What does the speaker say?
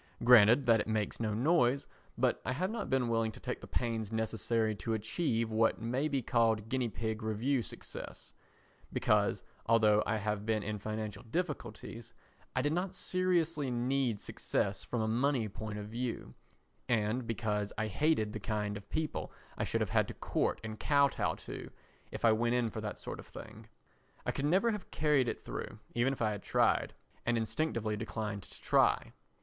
Granted that it makes no noise, but I have not been willing to take the pains necessary to achieve what may be called guinea pig review success, because, although I have been in financial difficulties, I did not seriously need success from a money point of view, and because I hated the kind of people I should have had to court and kow tow to if I went in for that sort of thing. I could never have carried it through, even if I had tried, and instinctively declined to try.